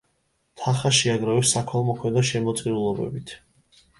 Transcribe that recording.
თანხა შეაგროვეს საქველმოქმედო შემოწირულობებით.